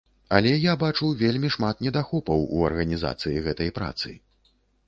Але я бачу вельмі шмат недахопаў у арганізацыі гэтай працы.